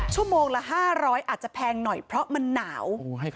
ชั่วโมงละ๕๐๐อาจจะแพงหน่อยเพราะมันหนาว